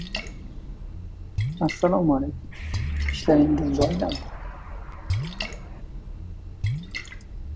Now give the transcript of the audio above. chunki haqiqatni yozishning o‘zi azob, degan gapining ma’nosini tushunganday bo‘ldim.